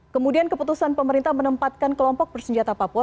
kemudian keputusan pemerintah menempatkan kelompok bersenjata papua